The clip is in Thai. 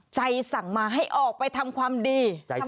สั่งมาให้ออกไปทำความดีใจ